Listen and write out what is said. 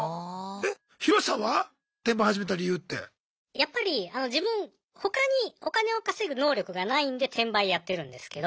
やっぱり自分他にお金を稼ぐ能力がないんで転売やってるんですけど。